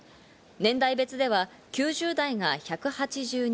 年代別では９０代が１８２人。